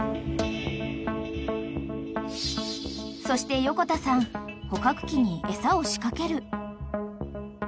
［そして横田さん捕獲器に餌を仕掛ける］